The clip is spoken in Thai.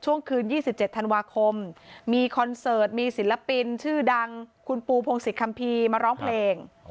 คืน๒๗ธันวาคมมีคอนเสิร์ตมีศิลปินชื่อดังคุณปูพงศิษยคัมภีร์มาร้องเพลง